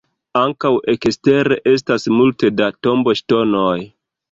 Ankaŭ ekstere estas multe da tomboŝtonoj.